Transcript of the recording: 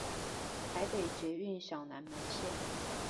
臺北捷運小南門線